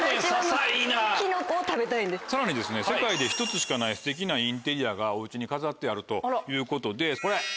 さらに世界で１つしかないステキなインテリアがお家に飾ってあるということでこれ。